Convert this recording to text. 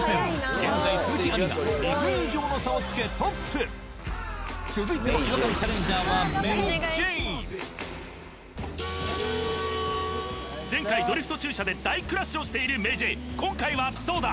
現在鈴木亜美が２分以上の差をつけトップ続いての違和感前回ドリフト駐車で大クラッシュをしているＭａｙＪ．今回はどうだ？